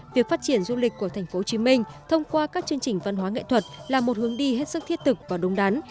việc phát triển du lịch của thành phố hồ chí minh thông qua các chương trình văn hóa nghệ thuật là một hướng đi hết sức thiết tực và đúng đắn